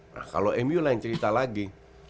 nah kalau mu lain cerita lagi